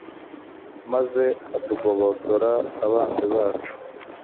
maze atugobotora abanzi bacu